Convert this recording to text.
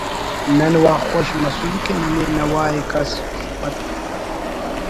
نن وا خوش مسن کہ ننے نوا ءِ کس سفت کے